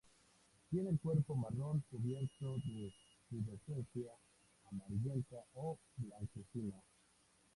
Tiene el cuerpo marrón cubierto de pubescencia amarillenta o blanquecina.